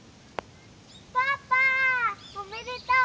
「パパおめでとう！